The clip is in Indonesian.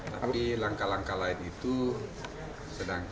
tapi langkah langkah lain itu sedangkan